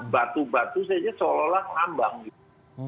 batu batu saja seolah olah ngambang gitu